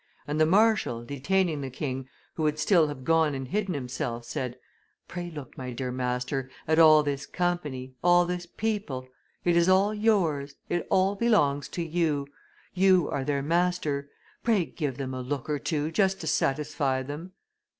and the marshal, detaining the king, who would still have gone and hidden himself, said, 'Pray look, my dear master, at all this company, all this people; it is all yours, it all belongs to you; you are their master; pray give them a look or two just to satisfy them!